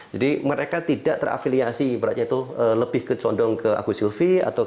jadi mereka tidak terafiliasi berarti itu lebih ke condong ke agus sylvi